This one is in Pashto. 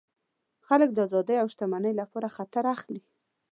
خلک د آزادۍ او شتمنۍ لپاره خطر اخلي.